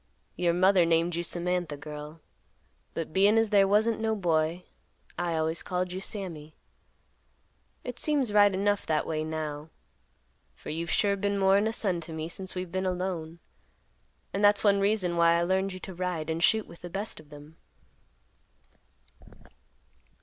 Your mother named you Samantha, girl, but bein' as there wasn't no boy, I always called you Sammy. It seems right enough that way now, for you've sure been more'n a son to me since we've been alone; and that's one reason why I learned you to ride and shoot with the best of them.